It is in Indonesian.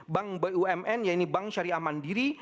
bank bumn yaitu bank syariah mandiri